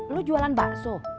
lu jualan bakso